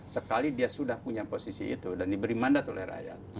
sekali dia sudah punya posisi itu dan diberi mandat oleh rakyat